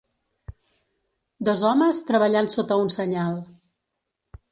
Dos homes treballant sota un senyal.